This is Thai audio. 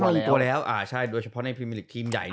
ค่อนข้างลงตัวแล้วใช่โดยเฉพาะในพรีมิลิกทีมใหญ่นี้